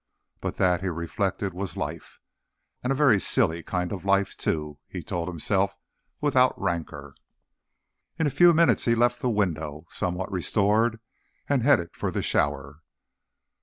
But that, he reflected, was life. And a very silly kind of life, too, he told himself without rancor. In a few minutes he left the window, somewhat restored, and headed for the shower.